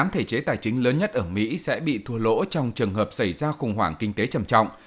một mươi thể chế tài chính lớn nhất ở mỹ sẽ bị thua lỗ trong trường hợp xảy ra khủng hoảng kinh tế trầm trọng